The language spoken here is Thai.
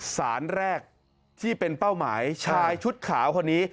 สารแรกที่เป็นเป้าหมายชายชุดขาวคนนี้